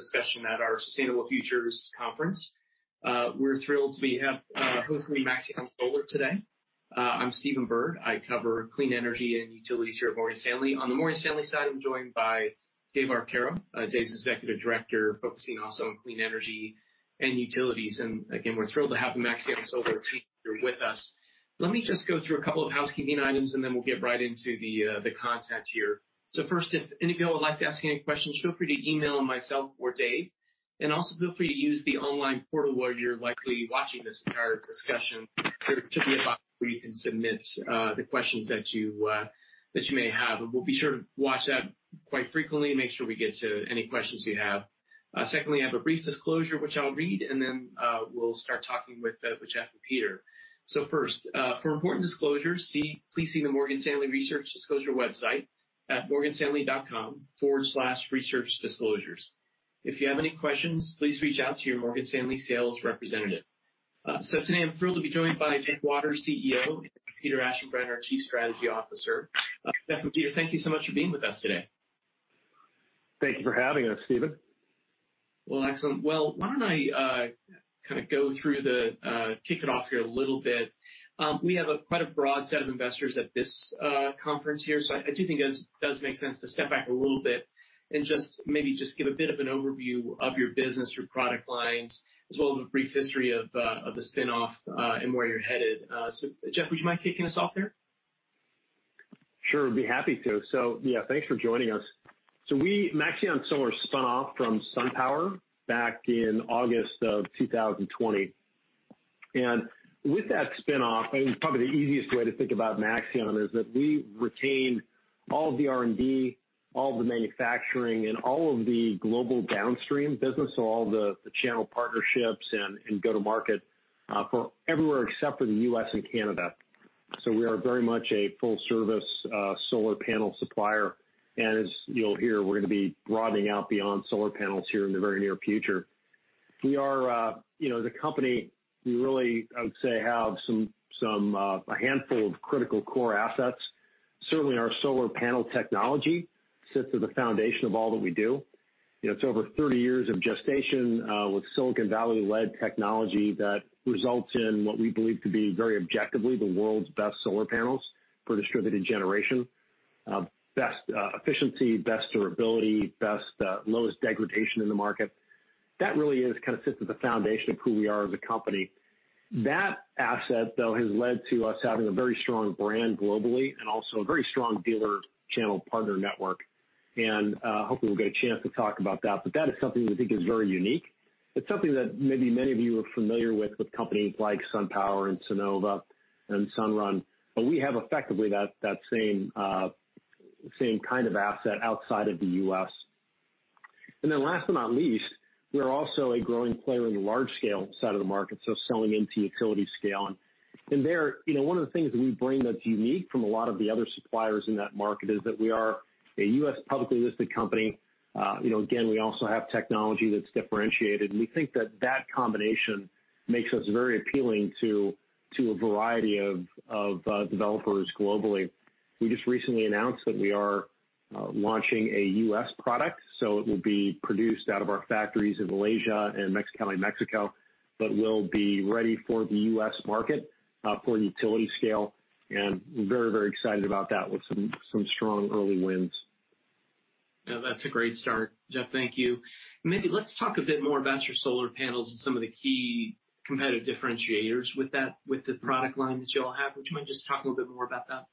...discussion at our Sustainable Futures Conference. We're thrilled to be hosting Maxeon Solar today. I'm Stephen Byrd. I cover clean energy and utilities here at Morgan Stanley. On the Morgan Stanley side, I'm joined by David Arcaro. David's the executive director focusing also on clean energy and utilities. Again, we're thrilled to have Maxeon Solar here with us. Let me just go through a couple of housekeeping items, and then we'll get right into the content here. First, if any of y'all would like to ask any questions, feel free to email myself or David, and also feel free to use the online portal where you're likely watching this entire discussion. There should be a box where you can submit the questions that you may have, and we'll be sure to watch that quite frequently, make sure we get to any questions you have. Secondly, I have a brief disclosure, which I'll read, and then we'll start talking with Jeff and Peter. First, for important disclosures, please see the Morgan Stanley research disclosure website at morganstanley.com/researchdisclosures. If you have any questions, please reach out to your Morgan Stanley sales representative. Today, I'm thrilled to be joined by Jeff Waters, CEO, and Peter Aschenbrenner, our Chief Strategy Officer. Jeff and Peter, thank you so much for being with us today. Thank you for having us, Stephen. Well, excellent. Well, why don't I kick it off here a little bit. We have quite a broad set of investors at this conference here. I do think it does make sense to step back a little bit and just maybe give a bit of an overview of your business, your product lines, as well as a brief history of the spin-off and where you're headed. Jeff, would you mind kicking us off here? Sure, would be happy to. Yeah, thanks for joining us. We, Maxeon Solar, spun off from SunPower back in August of 2020. With that spin-off, I think probably the easiest way to think about Maxeon is that we retained all the R&D, all the manufacturing, and all of the global downstream business, so all the channel partnerships and go-to-market for everywhere except for the U.S. and Canada. We are very much a full-service solar panel supplier. As you'll hear, we're going to be broadening out beyond solar panels here in the very near future. We are the company, we really, I would say, have a handful of critical core assets. Certainly, our solar panel technology sits at the foundation of all that we do. It's over 30 years of gestation with Silicon Valley-led technology that results in what we believe to be very objectively the world's best solar panels for distributed generation, best efficiency, best durability, lowest degradation in the market. That really is kind of sits at the foundation of who we are as a company. That asset, though, has led to us having a very strong brand globally and also a very strong dealer channel partner network. Hopefully, we'll get a chance to talk about that, but that is something we think is very unique. It's something that maybe many of you are familiar with companies like SunPower and Sunnova and Sunrun, but we have effectively that same kind of asset outside of the U.S. Last but not least, we are also a growing player in the large scale side of the market, so selling into utility scale. There, one of the things that we bring that's unique from a lot of the other suppliers in that market is that we are a U.S. publicly listed company. Again, we also have technology that's differentiated, and we think that that combination makes us very appealing to a variety of developers globally. We just recently announced that we are launching a U.S. product, so it will be produced out of our factories in Malaysia and Mexicali, Mexico, but will be ready for the U.S. market for utility scale, and we're very excited about that with some strong early wins. Yeah, that's a great start, Jeff. Thank you. Maybe let's talk a bit more about your solar panels and some of the key competitive differentiators with the product line that you all have. Do you mind just talking a bit more about that?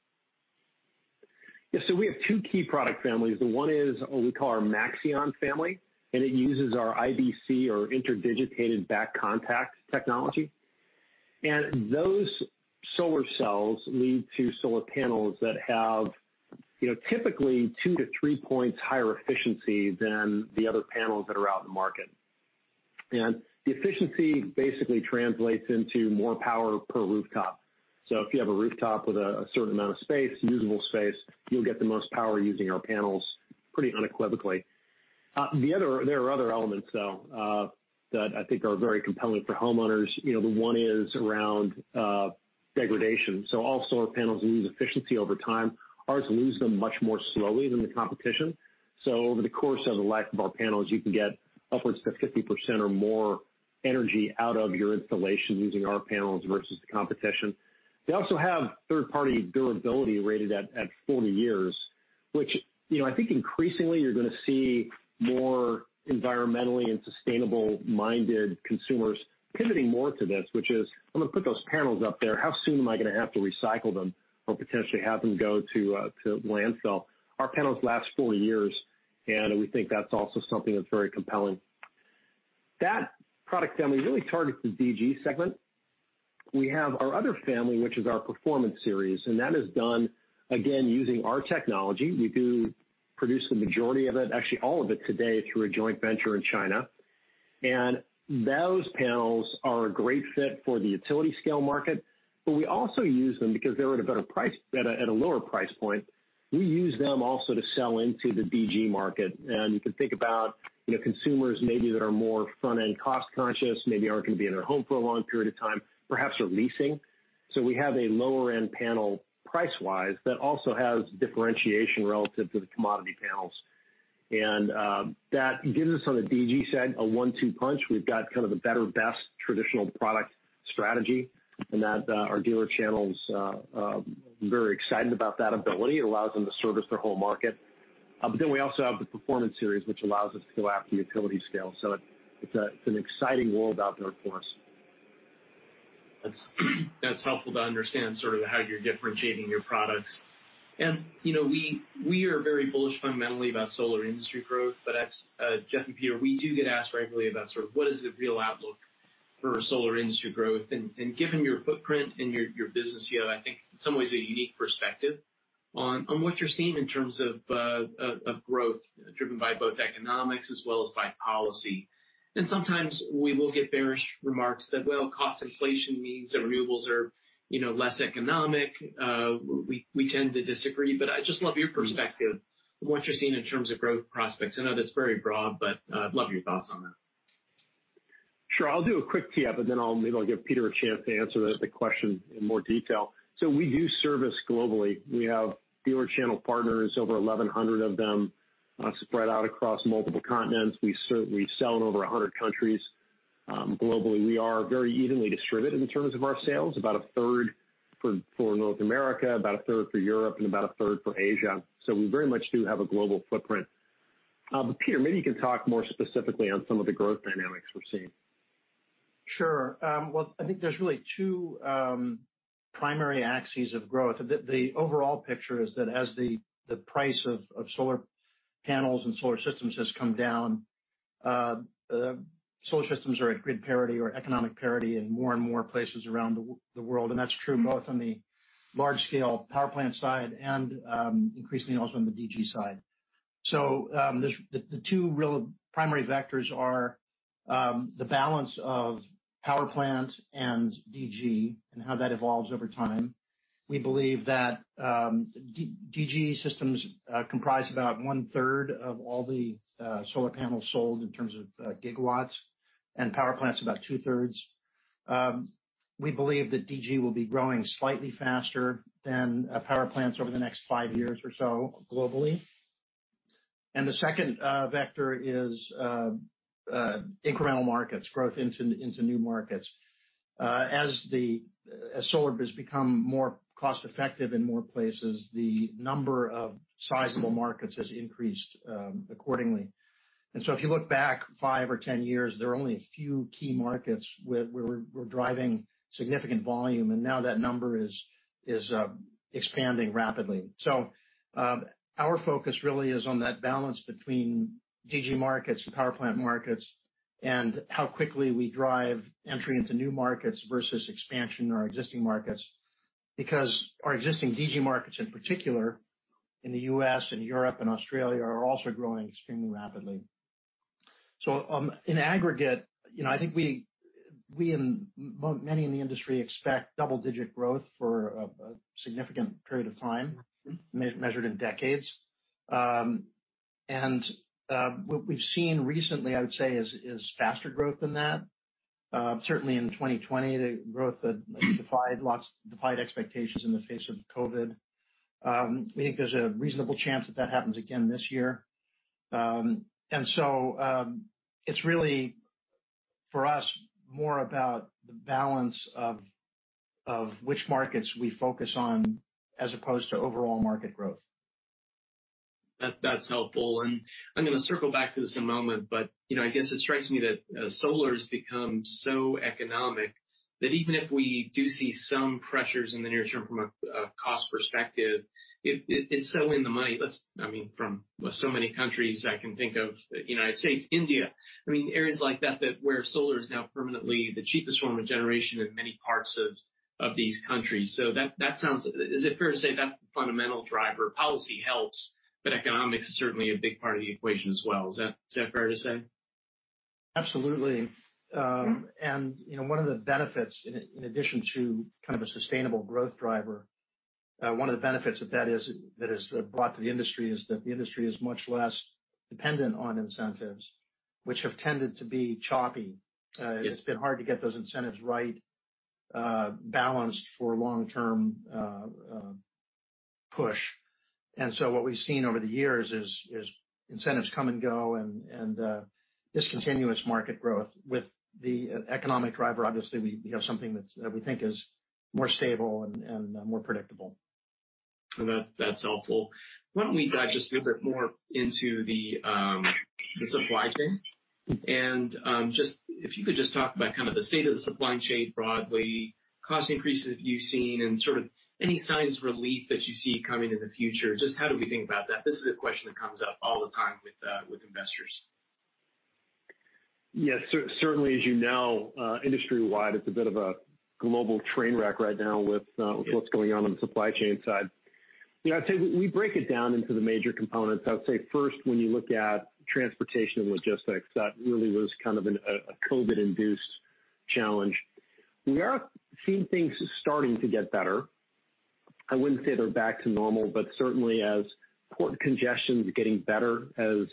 We have two key product families. One is what we call our Maxeon family, it uses our IBC or interdigitated back contact technology. Those solar cells lead to solar panels that have typically 2-3 points higher efficiency than the other panels that are out in the market. The efficiency basically translates into more power per rooftop. If you have a rooftop with a certain amount of space, usable space, you'll get the most power using our panels pretty unequivocally. There are other elements, though, that I think are very compelling for homeowners. One is around degradation. All solar panels lose efficiency over time. Ours lose them much more slowly than the competition. Over the course of the life of our panels, you can get upwards of 50% or more energy out of your installation using our panels versus the competition. We also have third-party durability rated at 40 years, which I think increasingly you're going to see more environmentally and sustainable-minded consumers pivoting more to this, which is, "I'm going to put those panels up there. How soon am I going to have to recycle them or potentially have them go to a landfill?" Our panels last 40 years, and we think that's also something that's very compelling. That product family really targets the DG segment. We have our other family, which is our Performance Series, and that is done, again, using our technology. We do produce the majority of it, actually all of it today, through a joint venture in China. Those panels are a great fit for the utility scale market, but we also use them because they're at a lower price point. We use them also to sell into the DG market. You can think about consumers maybe that are more front-end cost conscious, maybe aren't going to be in their home for a long period of time, perhaps are leasing. We have a lower-end panel price-wise that also has differentiation relative to the commodity panels. That gives us on the DG side a one-two punch. We've got kind of the better, best traditional product strategy, and our dealer channels are very excited about that ability. It allows them to service their whole market. We also have the Performance Series, which allows us to go after the utility scale. It's an exciting world out there for us. That's helpful to understand how you're differentiating your products. We are very bullish fundamentally about solar industry growth. Jeff and Peter, we do get asked regularly about what is the real outlook for solar industry growth, and given your footprint and your business here, I think in some ways a unique perspective on what you're seeing in terms of growth driven by both economics as well as by policy. Sometimes we will get bearish remarks that, well, cost inflation means that renewables are less economic. We tend to disagree, but I'd just love your perspective on what you're seeing in terms of growth prospects. I know that's very broad, but I'd love your thoughts on that. Sure. I'll do a quick recap, and then I'll maybe give Peter a chance to answer the question in more detail. We do service globally. We have dealer channel partners, over 1,100 of them, spread out across multiple continents. We certainly sell in over 100 countries globally. We are very evenly distributed in terms of our sales, about a third for North America, about a third for Europe, and about a third for Asia. We very much do have a global footprint. Peter, maybe you can talk more specifically on some of the growth dynamics we're seeing. Sure. Well, I think there's really two primary axes of growth. The overall picture is that as the price of solar panels and solar systems has come down, solar systems are at grid parity or economic parity in more and more places around the world and that's true both on the large-scale power plant side and increasingly also on the DG side. The two real primary vectors are the balance of power plants and DG and how that evolves over time. We believe that DG systems comprise about 1/3 of all the solar panels sold in terms of gigawatts and power plants about 2/3. We believe that DG will be growing slightly faster than power plants over the next five years or so globally. The second vector is incremental markets, growth into new markets. As solar has become more cost-effective in more places, the number of sizable markets has increased accordingly. If you look back five or 10 years, there are only a few key markets where we're driving significant volume, and now that number is expanding rapidly. Our focus really is on that balance between DG markets and power plant markets and how quickly we drive entry into new markets versus expansion in our existing markets, because our existing DG markets, in particular in the U.S. and Europe and Australia, are also growing extremely rapidly. In aggregate, I think we and many in the industry expect double-digit growth for a significant period of time measured in decades. What we've seen recently, I would say is faster growth than that. Certainly in 2020, the growth defied expectations in the face of COVID. I think there's a reasonable chance that that happens again this year. It's really for us, more about the balance of which markets we focus on as opposed to overall market growth. That's helpful and I'm going to circle back to this in a moment, but I guess it strikes me that solar has become so economic that even if we do see some pressures in the near term from a cost perspective, it's so in the money, from so many countries I can think of, the U.S., India, areas like that where solar is now permanently the cheapest form of generation in many parts of these countries. Is it fair to say that's the fundamental driver? Policy helps, but economics is certainly a big part of the equation as well. Is that fair to say? Absolutely. One of the benefits, in addition to kind of a sustainable growth driver, one of the benefits that has brought to the industry is that the industry is much less dependent on incentives, which have tended to be choppy. Yes. It's been hard to get those incentives right balanced for long-term push and so what we've seen over the years is incentives come and go and discontinuous market growth. With the economic driver, obviously, we have something that we think is more stable and more predictable. That's helpful. Why don't we dive just a bit more into the supply chain and if you could just talk about kind of the state of the supply chain broadly, cost increases you've seen and any signs of relief that you see coming in the future, just how do we think about that? This is a question that comes up all the time with investors. Yes, certainly as you know industry-wide it's a bit of a global train wreck right now with what's going on in the supply chain side. We break it down into the major components. I'd say first when you look at transportation logistics, that really was kind of a COVID-induced challenge. We are seeing things starting to get better. I wouldn't say they're back to normal, but certainly as port congestion is getting better, as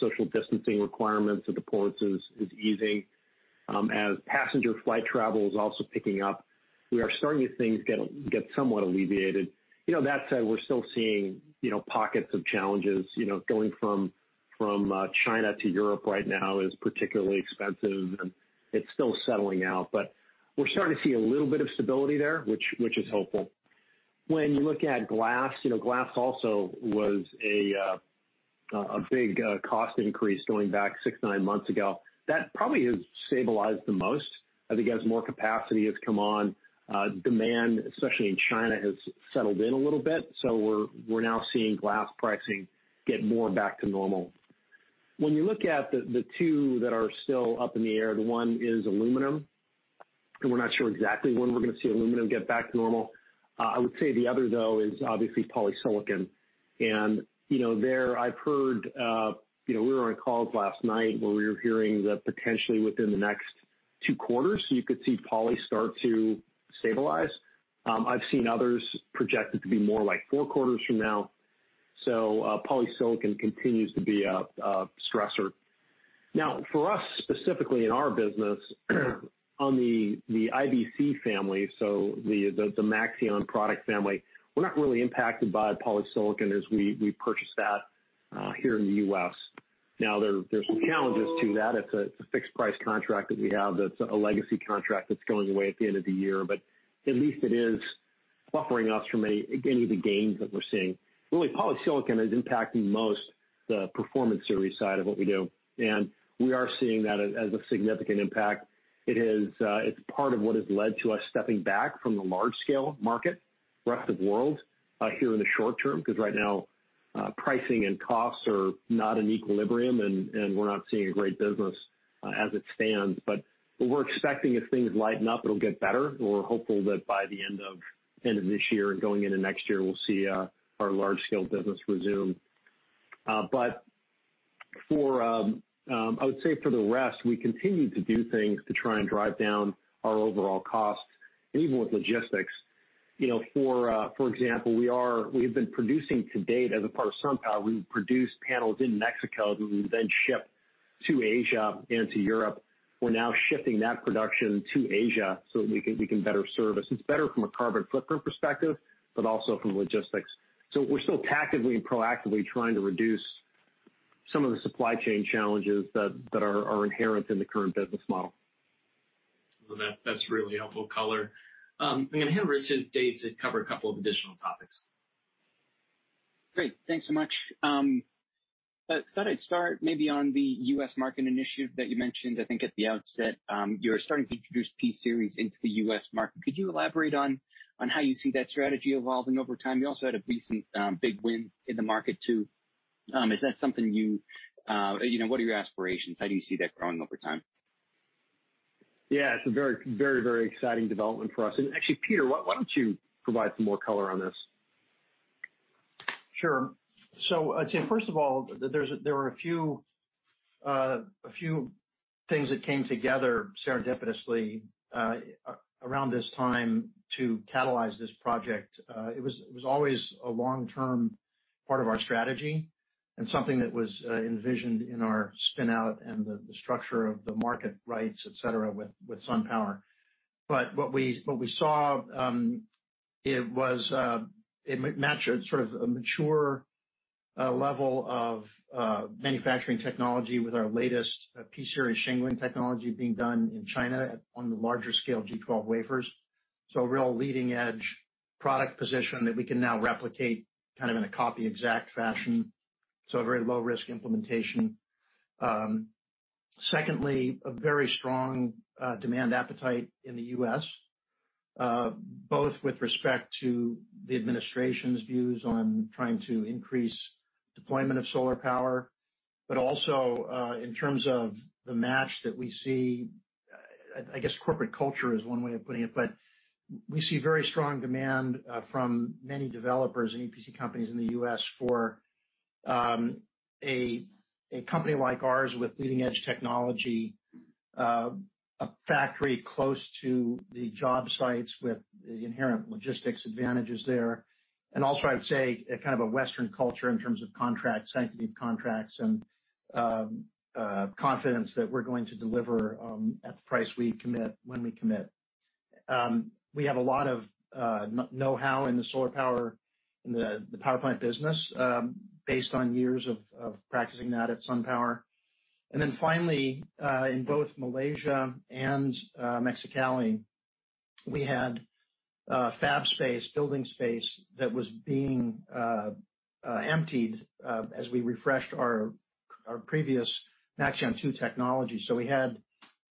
social distancing requirements at the ports is easing, as passenger flight travel is also picking up, we are starting to see things get somewhat alleviated. That said, we're still seeing pockets of challenges. Going from China to Europe right now is particularly expensive, and it's still settling out. We're starting to see a little bit of stability there, which is helpful. When you look at glass also was a big cost increase going back six, nine months ago. That probably has stabilized the most, I think, as more capacity has come on. Demand, especially in China, has settled in a little bit. We're now seeing glass pricing get more back to normal. When you look at the two that are still up in the air, the 1 is aluminum, and we're not sure exactly when we're going to see aluminum get back to normal. I would say the other, though, is obviously polysilicon. There, I've heard, we were on a call last night where we were hearing that potentially within the next two quarters, you could see poly start to stabilize. I've seen others project it to be more like four quarters from now. Polysilicon continues to be a stressor. Now, for us, specifically in our business on the IBC family, so the Maxeon product family, we're not really impacted by polysilicon as we purchase that here in the U.S. Now, there's some challenges to that. It's a fixed price contract that we have, that's a legacy contract that's going away at the end of the year, but at least it is buffering us from any of the gains that we're seeing. Really, polysilicon is impacting most the Performance Series side of what we do, and we are seeing that as a significant impact. It's part of what has led to us stepping back from the large scale market, rest of world, here in the short term, because right now, pricing and costs are not in equilibrium, and we're not seeing a great business as it stands. What we're expecting, as things lighten up, it'll get better, and we're hopeful that by the end of this year and going into next year, we'll see our large scale business resume. I would say for the rest, we continue to do things to try and drive down our overall costs, and even with logistics. For example, we've been producing to date, as a part of SunPower, we've produced panels in Mexico that we then ship to Asia and to Europe. We're now shipping that production to Asia so that we can better service. It's better from a carbon footprint perspective, but also from logistics. We're still actively and proactively trying to reduce some of the supply chain challenges that are inherent in the current business model. That's really helpful color. I'm going to hand over to Dave, to cover a couple of additional topics. Great. Thanks so much. I thought I'd start maybe on the U.S. market initiative that you mentioned, I think at the outset. You're starting to introduce P-Series into the U.S. market. Could you elaborate on how you see that strategy evolving over time? You also had a decent big win in the market too. What are your aspirations? How do you see that growing over time? Yeah, it's a very exciting development for us. Actually, Peter, why don't you provide some more color on this? Sure. I'd say, first of all, there were a few things that came together serendipitously around this time to catalyze this project. It was always a long-term part of our strategy and something that was envisioned in our spin-out and the structure of the market rights, et cetera, with SunPower. What we saw, it matched a sort of a mature level of manufacturing technology with our latest P-Series shingling technology being done in China on the larger scale G12 wafers. A real leading edge product position that we can now replicate kind of in a copy exact fashion. A very low risk implementation. A very strong demand appetite in the U.S., both with respect to the administration's views on trying to increase deployment of solar power, but also, in terms of the match that we see, I guess corporate culture is one way of putting it, but we see very strong demand from many developers and EPC companies in the U.S. for a company like ours with leading edge technology, a factory close to the job sites with the inherent logistics advantages there. Also, I'd say a kind of a Western culture in terms of contracts, sanctity of contracts, and confidence that we're going to deliver at the price we commit, when we commit. We have a lot of know-how in the solar power and the power plant business based on years of practicing that at SunPower. Finally, in both Malaysia and Mexicali, we had fab space, building space that was being emptied as we refreshed our previous Maxeon 2 technology. We had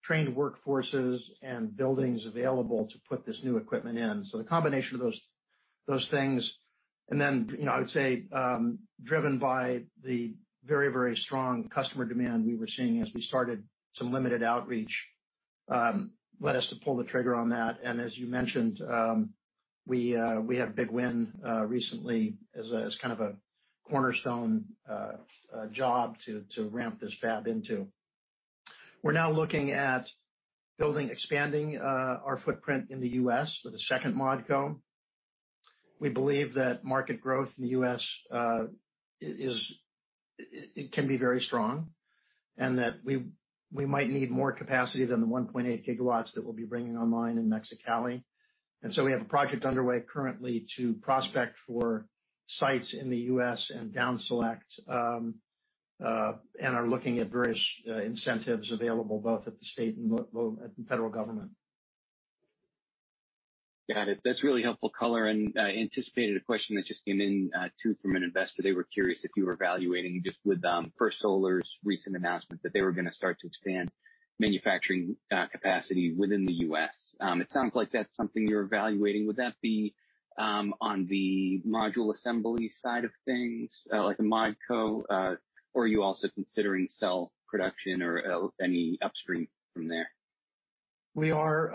trained workforces and buildings available to put this new equipment in. The combination of those things, and then I would say, driven by the very, very strong customer demand we were seeing as we started some limited outreach, led us to pull the trigger on that. As you mentioned, we had a big win recently as kind of a cornerstone job to ramp this fab into. We're now looking at building, expanding our footprint in the U.S. for the second MODCO. We believe that market growth in the U.S. can be very strong and that we might need more capacity than the 1.8 gigawatts that we'll be bringing online in Mexicali. We have a project underway currently to prospect for sites in the U.S. and down select, and are looking at various incentives available both at the state and federal government. Got it. That's really helpful color and anticipated a question that just came in too, from an investor. They were curious if you were evaluating just with First Solar's recent announcement that they were going to start to expand manufacturing capacity within the U.S. It sounds like that's something you're evaluating. Would that be on the module assembly side of things, like a MODCO, or are you also considering cell production or any upstream from there? We are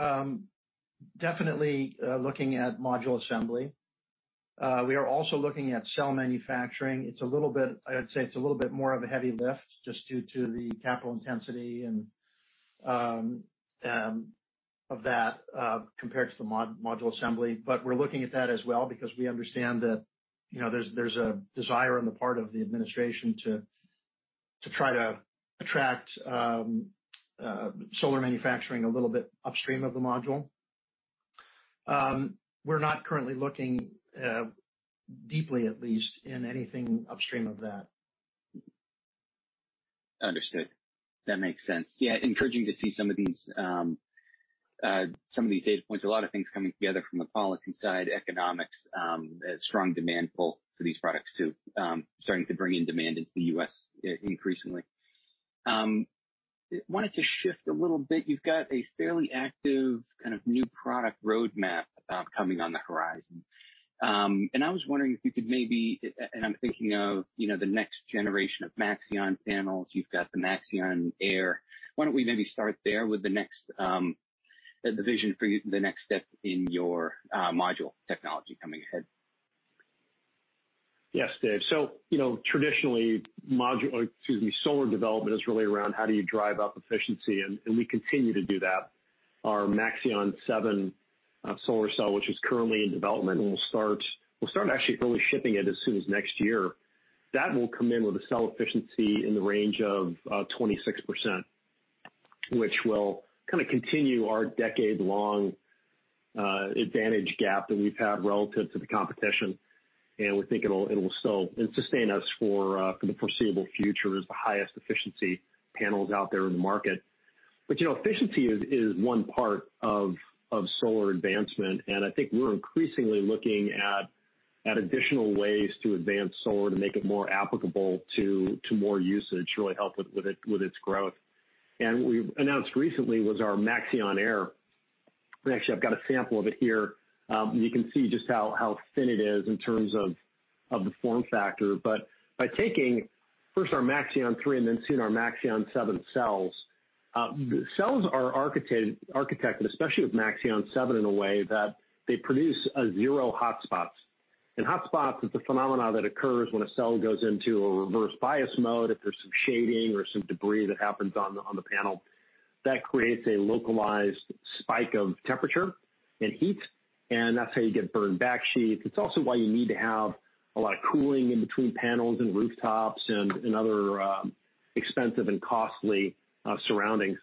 definitely looking at module assembly. We are also looking at cell manufacturing. I'd say it's a little bit more of a heavy lift just due to the capital intensity of that compared to the module assembly. We're looking at that as well because we understand that there's a desire on the part of the administration to try to attract solar manufacturing a little bit upstream of the module. We're not currently looking, deeply at least, in anything upstream of that. Understood. That makes sense. Yeah, encouraging to see some of these data points, a lot of things coming together from the policy side, economics, strong demand pull for these products too, starting to bring in demand into the U.S. increasingly. Wanted to shift a little bit. You've got a fairly active kind of new product roadmap coming on the horizon. I was wondering if you could maybe, and I'm thinking of the next generation of Maxeon panels. You've got the Maxeon Air. Why don't we maybe start there with the vision for the next step in your module technology coming ahead? Yes, Dave. Traditionally, solar development is really around how do you drive up efficiency, and we continue to do that. Our Maxeon 7 solar cell, which is currently in development, and we'll start actually probably shipping it as soon as next year. That will come in with a cell efficiency in the range of 26%, which will kind of continue our decade-long advantage gap that we've had relative to the competition, and we think it will still sustain us for the foreseeable future as the highest efficiency panels out there in the market. Efficiency is one part of solar advancement, and I think we're increasingly looking at additional ways to advance solar to make it more applicable to more usage, really help it with its growth. We've announced recently was our Maxeon Air. Actually, I've got a sample of it here. You can see just how thin it is in terms of the form factor. By taking first our Maxeon 3 and then soon our Maxeon 7 cells, the cells are architected, especially with Maxeon 7, in a way that they produce zero hotspots. Hotspots is the phenomenon that occurs when a cell goes into a reverse bias mode, if there's some shading or some debris that happens on the panel. That creates a localized spike of temperature and heat, and that's how you get burned back sheets. It's also why you need to have a lot of cooling in between panels and rooftops and other expensive and costly surroundings.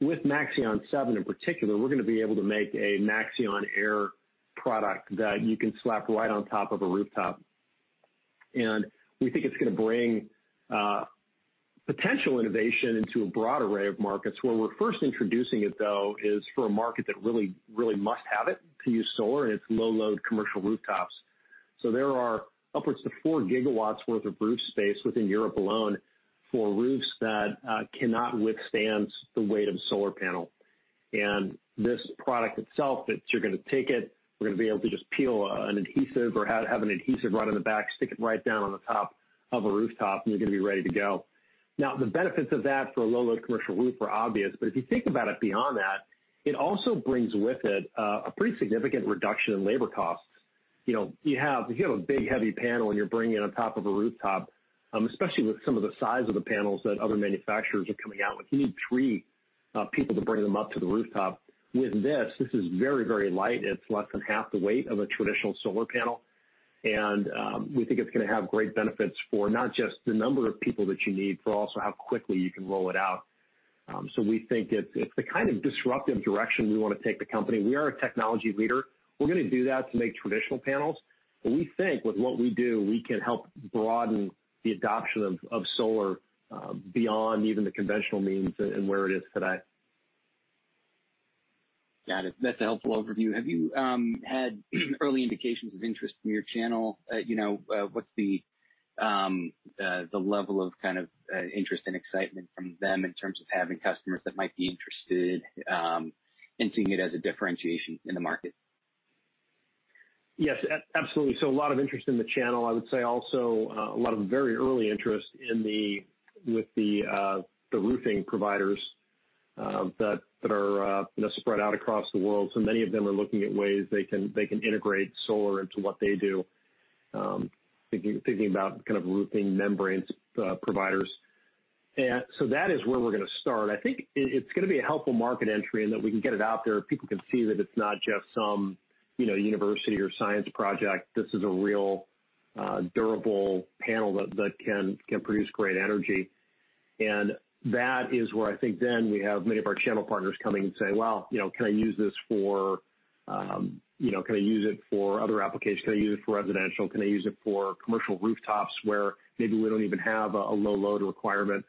With Maxeon 7 in particular, we're going to be able to make a Maxeon Air product that you can slap right on top of a rooftop, and we think it's going to bring potential innovation into a broad array of markets. Where we're first introducing it, though, is for a market that really must have it to use solar, and it's low load commercial rooftops. There are upwards of 4 gigawatts worth of roof space within Europe alone for roofs that cannot withstand the weight of a solar panel. This product itself, you're going to take it, we're going to be able to just peel an adhesive or have an adhesive right on the back, stick it right there on the top of a rooftop, and you're going to be ready to go. Now, the benefits of that for a low load commercial roof are obvious. If you think about it beyond that, it also brings with it a pretty significant reduction in labor costs. You have a big, heavy panel, and you're bringing it on top of a rooftop, especially with some of the size of the panels that other manufacturers are coming out with. You need three people to bring them up to the rooftop. With this is very light. It's less than half the weight of a traditional solar panel, and we think it's going to have great benefits for not just the number of people that you need, but also how quickly you can roll it out. We think it's the kind of disruptive direction we want to take the company. We are a technology leader. We're going to do that to make traditional panels, but we think with what we do, we can help broaden the adoption of solar beyond even the conventional means and where it is today. Got it. That's a helpful overview. Have you had early indications of interest from your channel? What's the level of kind of interest and excitement from them in terms of having customers that might be interested and seeing it as a differentiation in the market? Yes, absolutely. A lot of interest in the channel. I would say also a lot of very early interest with the roofing providers that are spread out across the world. Many of them are looking at ways they can integrate solar into what they do. Thinking about kind of roofing membranes providers. That is where we're going to start. I think it's going to be a helpful market entry in that we can get it out there, people can see that it's not just some university or science project. This is a real, durable panel that can produce great energy. That is where I think we have many of our channel partners coming and say, "Well, can I use this for other applications? Can I use it for residential? Can I use it for commercial rooftops where maybe we don't even have a low load requirement?"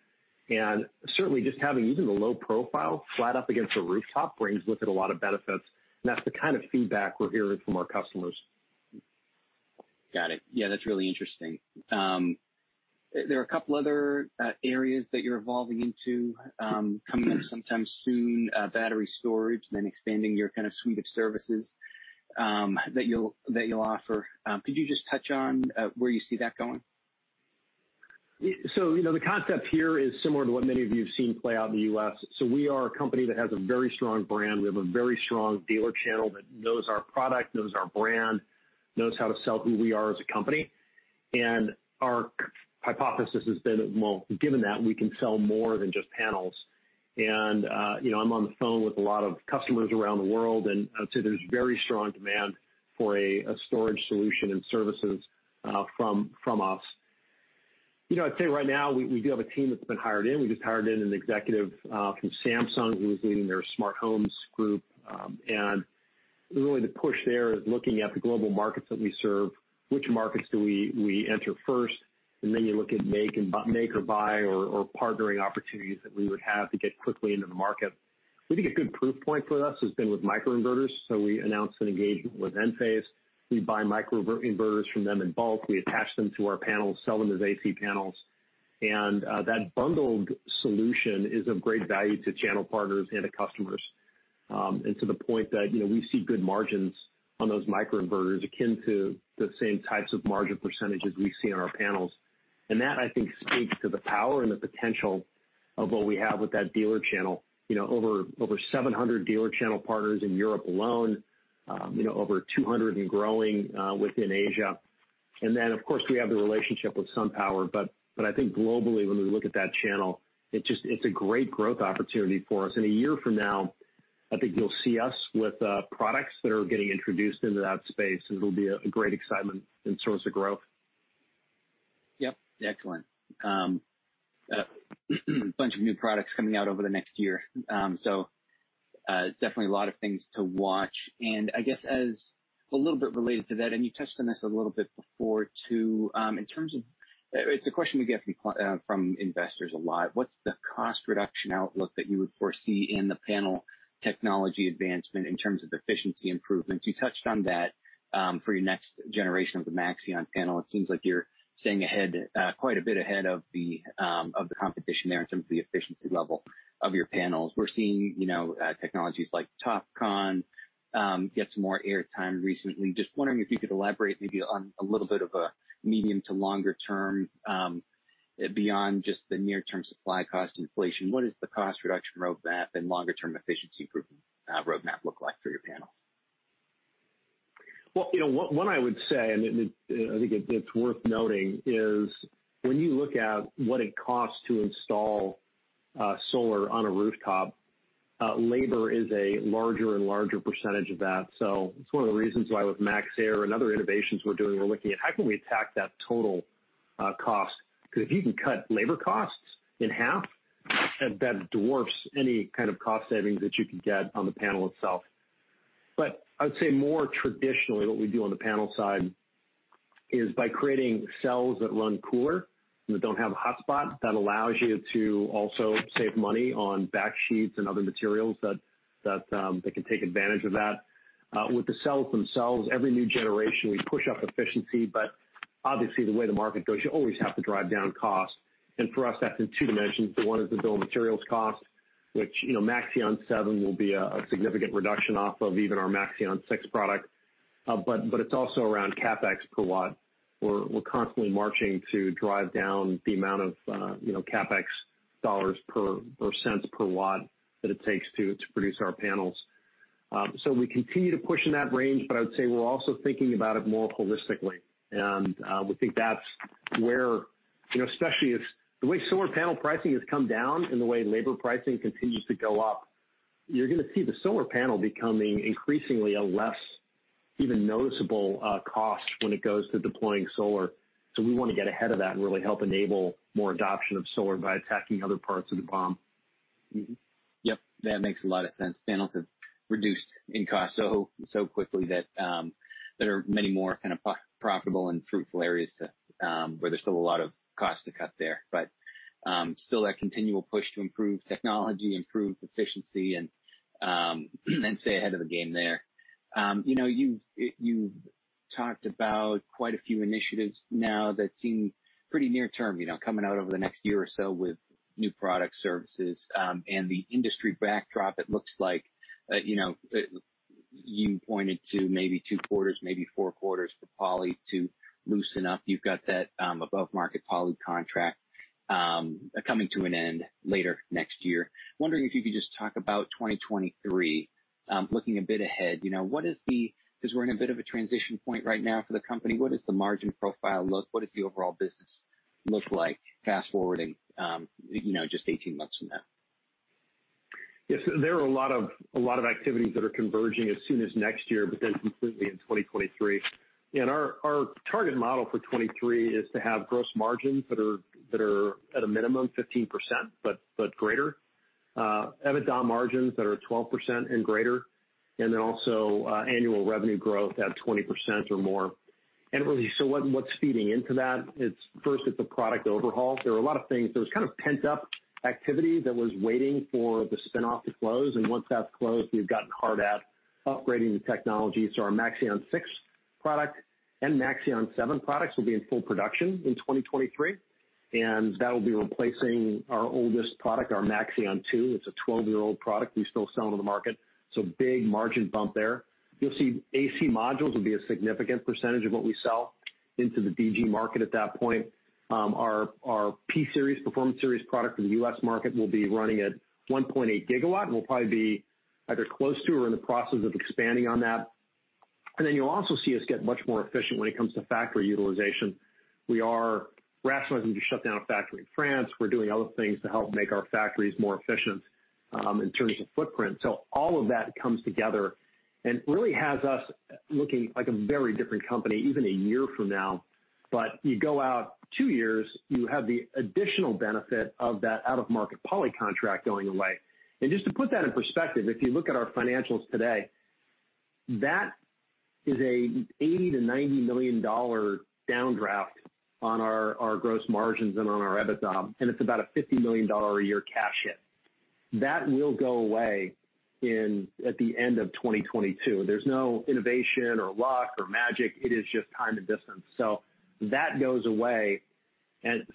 Certainly just having even the low profile flat up against a rooftop brings with it a lot of benefits, and that's the kind of feedback we're hearing from our customers. Got it. That's really interesting. There are a couple other areas that you're evolving into, coming sometime soon, battery storage, and then expanding your kind of suite of services that you'll offer. Could you just touch on where you see that going? The concept here is similar to what many of you have seen play out in the U.S. We are a company that has a very strong brand. We have a very strong dealer channel that knows our product, knows our brand, knows how to sell who we are as a company. Our hypothesis has been, well, given that, we can sell more than just panels. I'm on the phone with a lot of customers around the world, and I'd say there's very strong demand for a storage solution and services from us. I'd say right now we do have a team that's been hired in. We just hired in an executive from Samsung who was leading their smart homes group. Really the push there is looking at the global markets that we serve, which markets do we enter first, and then you look at make or buy or partnering opportunities that we would have to get quickly into the market. I think a good proof point for us has been with microinverters. We announced an engagement with Enphase. We buy microinverters from them in bulk. We attach them to our panels, sell them as AC panels. That bundled solution is of great value to channel partners and to customers, and to the point that we see good margins on those microinverters akin to the same types of margin % we see on our panels. That, I think, speaks to the power and the potential of what we have with that dealer channel. Over 700 dealer channel partners in Europe alone, over 200 and growing within Asia. Of course, we have the relationship with SunPower. I think globally, when we look at that channel, it's a great growth opportunity for us. A year from now, I think you'll see us with products that are getting introduced into that space, and it'll be a great excitement and source of growth. Yep, excellent. A bunch of new products coming out over the next year. Definitely a lot of things to watch. I guess as a little bit related to that, and you touched on this a little bit before too, it's a question we get from investors a lot. What's the cost reduction outlook that you would foresee in the panel technology advancement in terms of efficiency improvements? You touched on that for your next generation of the Maxeon panel. It seems like you're staying quite a bit ahead of the competition there in terms of the efficiency level of your panels. We're seeing technologies like TOPCon get some more airtime recently. Just wondering if you could elaborate maybe on a little bit of a medium to longer term, beyond just the near-term supply cost inflation. What is the cost reduction roadmap and longer-term efficiency roadmap look like for your panels? What I would say, and I think it's worth noting is when you look at what it costs to install solar on a rooftop, labor is a larger and larger percentage of that. It's one of the reasons why with Maxeon and other innovations we're doing, we're looking at how can we attack that total cost? Because if you can cut labor costs in half, that dwarfs any kind of cost savings that you could get on the panel itself. I'd say more traditionally, what we do on the panel side is by creating cells that run cooler and that don't have hotspots, that allows you to also save money on backsheets and other materials that can take advantage of that. With the cells themselves, every new generation, we push up efficiency, but obviously, the way the market goes, you always have to drive down cost. For us, that's in two dimensions. One is the bill of materials cost, which Maxeon 7 will be a significant reduction off of even our Maxeon 6 product. It's also around CapEx per watt. We are constantly marching to drive down the amount of CapEx dollars per or cents per watt that it takes to produce our panels. We continue to push in that range, I'd say we are also thinking about it more holistically, we think that's where, especially if the way solar panel pricing has come down and the way labor pricing continues to go up, you are going to see the solar panel becoming increasingly a less even noticeable cost when it goes to deploying solar. We want to get ahead of that and really help enable more adoption of solar by attacking other parts of the problem. Yep, that makes a lot of sense. Panels have reduced in cost so quickly that there are many more kind of profitable and fruitful areas where there's still a lot of cost to cut there. Still that continual push to improve technology, improve efficiency, and stay ahead of the game there. You've talked about quite a few initiatives now that seem pretty near term, coming out over the next year or so with new product services. The industry backdrop, it looks like you pointed to maybe two quarters, maybe four quarters for poly to loosen up. You've got that above-market poly contract coming to an end later next year. Wondering if you could just talk about 2023, looking a bit ahead? We're in a bit of a transition point right now for the company, what does the margin profile look, what does the overall business look like fast-forwarding just 18 months from now? Yes. There are a lot of activities that are converging as soon as next year, completely in 2023. Our target model for 2023 is to have gross margins that are at a minimum 15%, but greater, EBITDA margins that are 12% and greater, also annual revenue growth at 20% or more. What's feeding into that? First, it's the product overhauls. There are a lot of things. There's kind of pent-up activity that was waiting for the spin-off to close. Once that's closed, we've gotten hard at upgrading the technology. Our Maxeon 6 product and Maxeon 7 products will be in full production in 2023, that'll be replacing our oldest product, our Maxeon 2. It's a 12-year-old product we still sell on the market. Big margin bump there. You'll see AC modules will be a significant percentage of what we sell into the DG market at that point. Our P-Series, Performance Series product in the U.S. market will be running at 1.8 GW, and we'll probably be either close to or in the process of expanding on that. You'll also see us get much more efficient when it comes to factory utilization. We are rationalizing to shut down a factory in France. We're doing other things to help make our factories more efficient in terms of footprint. All of that comes together and really has us looking like a very different company even a year from now. You go out two years, you have the additional benefit of that out-of-market poly contract going away. Just to put that in perspective, if you look at our financials today, that is a $80 million-$90 million downdraft on our gross margins and on our EBITDA, and it's about a $50 million a year cash hit. That will go away at the end of 2022. There's no innovation or luck or magic. It is just time to distance. That goes away.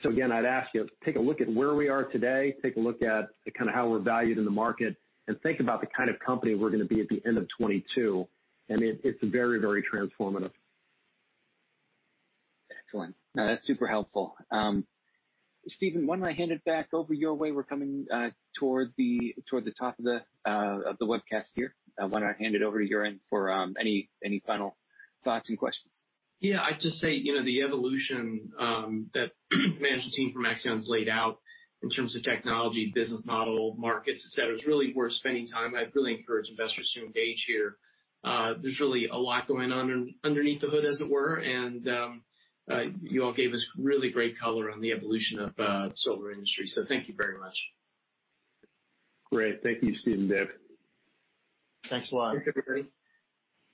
Again, I'd ask you to take a look at where we are today, take a look at kind of how we're valued in the market, and think about the kind of company we're going to be at the end of 2022. It's very transformative. Excellent. No, that's super helpful. Steven, why don't I hand it back over your way? We're coming toward the top of the webcast here. Why don't I hand it over to you for any final thoughts and questions? Yeah, I'd just say, the evolution that the management team from Maxeon's laid out in terms of technology, business model, markets, et cetera, is really worth spending time. I'd really encourage investors to engage here. There's really a lot going on underneath the hood, as it were. You all gave us really great color on the evolution of the solar industry. Thank you very much. Great. Thank you, Stephen and David Arcaro. Thanks a lot. Thanks, everybody.